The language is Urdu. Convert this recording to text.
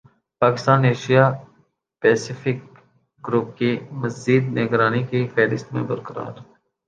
پاکستان ایشیا پیسیفک گروپ کی مزید نگرانی کی فہرست میں برقرار